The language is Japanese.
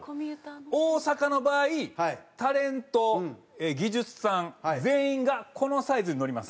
大阪の場合タレント技術さん全員がこのサイズに乗ります。